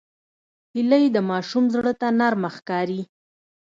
هیلۍ د ماشوم زړه ته نرمه ښکاري